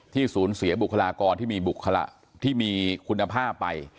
ที่ศูนย์เสียบุคลากรที่มีคุณภาพไป